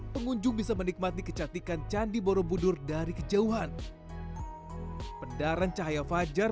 pengunjung bisa menikmati kecantikan candi borobudur dari kejauhan pendaran cahaya fajar